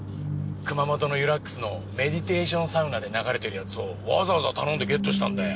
熊本の湯らっくすのメディテーションサウナで流れてるやつをわざわざ頼んでゲットしたんだよ。